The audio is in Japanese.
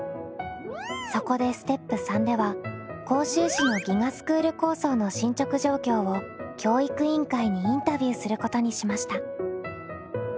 そこでステップ３では甲州市の「ＧＩＧＡスクール構想」の進捗状況を教育委員会にインタビューすることにしました。